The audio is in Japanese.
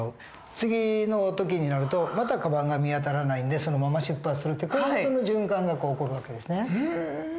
次の時になるとまたカバンが見当たらないんでそのまま出発するってこういう循環が起こる訳ですね。